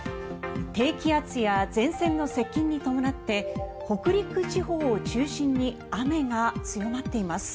低気圧や前線の接近に伴って北陸地方を中心に雨が強まっています。